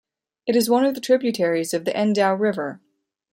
It is one of the tributaries of the Endau River.